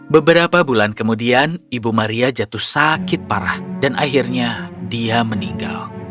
beberapa bulan kemudian ibu maria jatuh sakit parah dan akhirnya dia meninggal